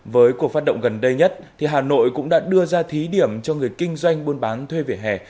với cuộc phát động gần đây nhất hà nội cũng đã đưa ra thí điểm cho người kinh doanh buôn bán thuê vỉa hè